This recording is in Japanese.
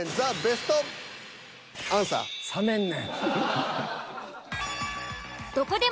冷めんねん。